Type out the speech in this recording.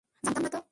জানতাম না তো।